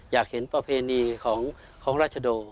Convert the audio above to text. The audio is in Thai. อยากเห็นประเพณีของราชโด